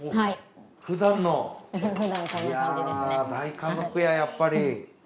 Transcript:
いやぁ大家族ややっぱり。